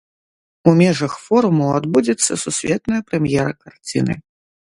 У межах форуму адбудзецца сусветная прэм'ера карціны.